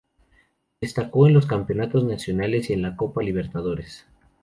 Destacó en los campeonatos nacionales y en la Copa Libertadores.